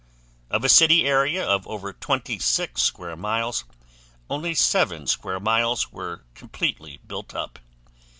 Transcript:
Of a city area of over 26 square miles, only 7 square miles were completely built up.